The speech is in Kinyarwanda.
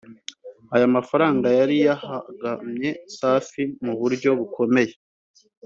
Aya mafaranga yari yahagamye Safi mu buryo bukomeye